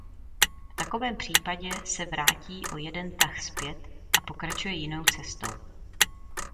V takovém případě se vrátí o jeden tah zpět a pokračuje jinou cestou.